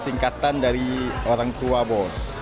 singkatan dari orang tua bos